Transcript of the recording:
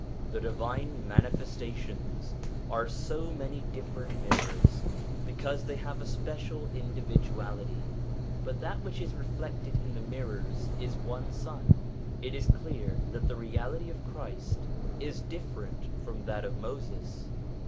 The Divine Manifesta tions are so many different mirrors, because they have a special individuality, but that which is reflected in the mirrors is one sun. It is clear that the reality of Christ is different from that of Moses.